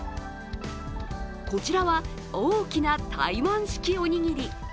こちらは大きな台湾式おにぎり。